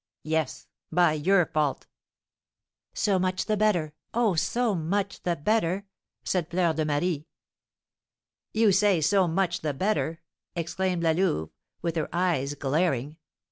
Yes, by your fault!" "So much the better! Oh, so much the better!" said Fleur de Marie. "You say, so much the better!" exclaimed La Louve, with her eyes glaring.